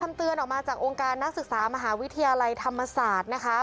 เตือนออกมาจากองค์การนักศึกษามหาวิทยาลัยธรรมศาสตร์นะคะ